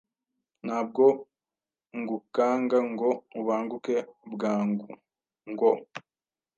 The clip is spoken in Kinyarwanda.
Ntabwo ngukanga ngo ubanguke bwanguu ngo